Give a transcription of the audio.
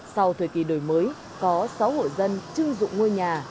sau thời kỳ đổi mới có sáu hội dân trưng dụng ngôi nhà